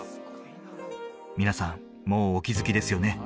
皆さんもうお気づきですよね？